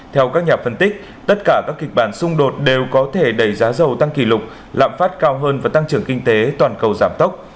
theo các nhà phân tích tất cả các kịch bản xung đột đều có thể đẩy giá dầu tăng kỷ lục lạm phát cao hơn và tăng trưởng kinh tế toàn cầu giảm tốc